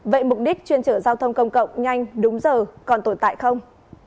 vậy mục đích chuyên chở giao thông công cộng nhanh đúng giờ còn tồn tại không